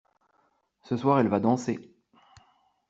Ce soir elle va danser.